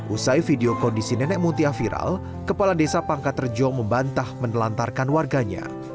usai video kondisi nenek muntiah viral kepala desa pangka terjo membantah menelantarkan warganya